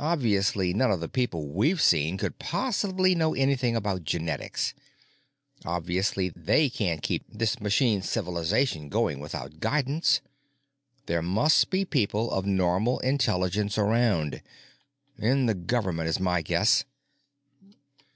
Obviously none of the people we've seen could possibly know anything about genetics. Obviously they can't keep this machine civilization going without guidance. There must be people of normal intelligence around. In the government, is my guess."